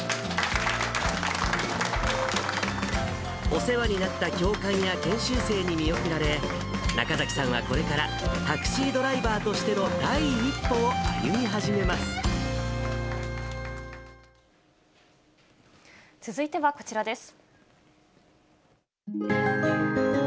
お世話になった教官や研修生に見送られ、中崎さんはこれからタクシードライバーとしての第一歩を歩み始め続いてはこちらです。